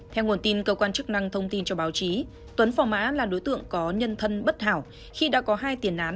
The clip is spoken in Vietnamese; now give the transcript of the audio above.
theo nguồn tin cơ quan chức năng thông tin cho báo chí tuấn phò mã là đối tượng có nhân thân bất hảo khi đã có hai tiền án